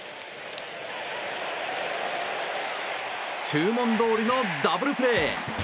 注文どおりのダブルプレー！